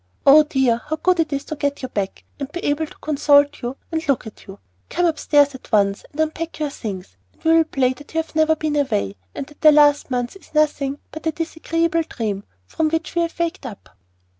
Oh, dear! how good it is to get you back, and be able to consult you and look at you! Come upstairs at once, and unpack your things, and we will play that you have never been away, and that the last month is nothing but a disagreeable dream from which we have waked up."